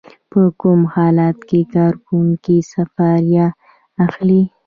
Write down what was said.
په کوم حالت کې کارکوونکی سفریه اخلي؟